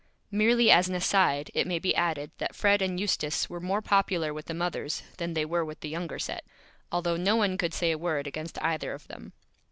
Merely as an aside it may be added that Fred and Eustace were more Popular with the Mothers than they were with the Younger Set, although no one could say a Word against either of them.